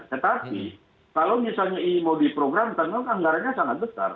tetapi kalau misalnya ini mau diprogram anggaranya sangat besar